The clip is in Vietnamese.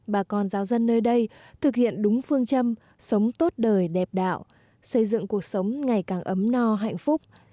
bà con giáo dân nơi đây thực hiện đúng phương châm sống tốt đời đẹp đạo xây dựng cuộc sống ngày càng ấm no hạnh phúc